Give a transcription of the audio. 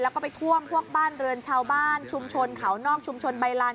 แล้วก็ไปท่วมพวกบ้านเรือนชาวบ้านชุมชนเขานอกชุมชนใบลาน